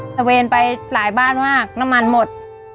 ระเวนไปหลายบ้านมากน้ำมันหมด